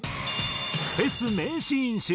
フェス名シーン集。